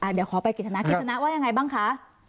เดี๋ยวขอไปกิจนาว่ายังไงบ้างคะ